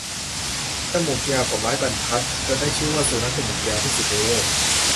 จมูกยาวกว่าไม้บรรทัด จนได้ชื่อว่า สุนัขจมูกยาวที่สุดในโลก